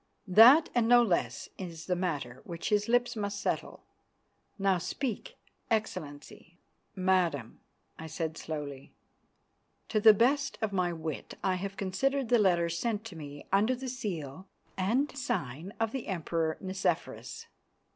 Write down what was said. That and no less is the matter which his lips must settle. Now speak, Excellency." "Madam," I said slowly, "to the best of my wit I have considered the letter sent to me under the seal and sign of the Emperor Nicephorus.